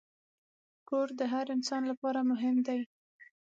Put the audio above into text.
کور د هر انسان لپاره مهم دی.